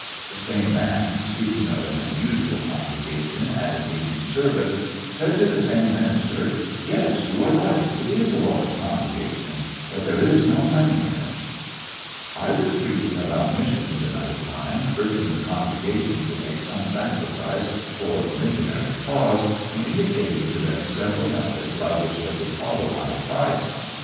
The same man, speaking of an unusual congregation at an evening service, said to the same minister : "Yes, you are right ; it is a large congregation 5 but there is no money in it" I was preaching about missions another Hoist by my time, urging the congregation to make some sacrifice for the missionary cause, and indicat ing to them several methods by which they could follow my advice.